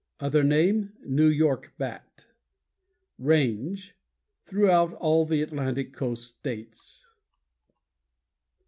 _ Other name: "New York Bat." RANGE Throughout all the Atlantic coast states.